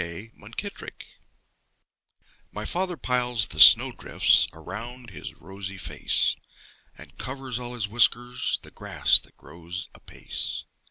K. MUNKITTRICK My father piles the snow drifts Around his rosy face, And covers all his whiskers The grass that grows apace.